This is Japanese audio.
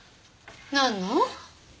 なんの？